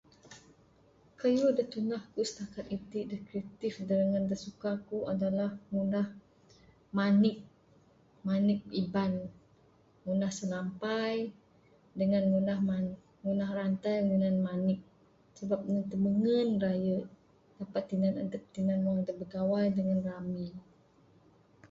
Kayuh da tunah ku sitakat itin ne kreatif da suka ku adalah ngunah manik, manik iban. Ngunah selampai dangan ngunah manik sabab ne timengen raye dapat tinan adep tinan wang bigawai dangan rami.